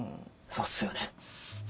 そうっすよね。